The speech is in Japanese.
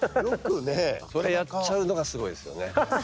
それやっちゃうのがすごいですよね。